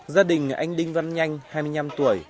gia đình anh đinh văn nhanh hai mươi năm tuổi